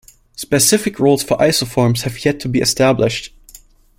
Specific roles for isoforms have yet to be established.